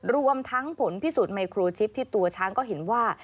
รวมทั้งผลพิสูจนไมโครชิปที่ตัวช้างก็เห็นว่า